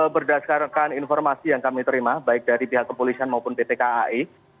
berdasarkan informasi yang kami terima baik dari pihak kepolisian maupun pt kai